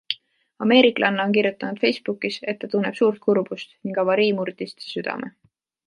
Ameeriklanna on kirjutanud Facebookis, et ta tunneb suurt kurbust ning avarii murdis ta südame.